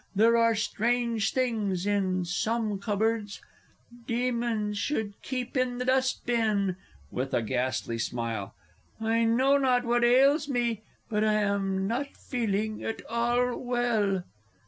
there are strange things in some cupboards! Demons should keep in the dust bin. (With a ghastly smile.) I know not what ails me, but I am not feeling at all well.